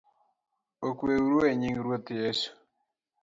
Okweuru enying Ruoth Yesu